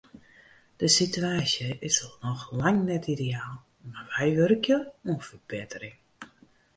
De situaasje is noch lang net ideaal, mar wy wurkje oan ferbettering.